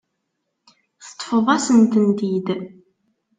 Teṭṭfeḍ-asen-tent-id.